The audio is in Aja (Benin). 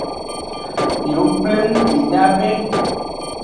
Miwo pleng minya be.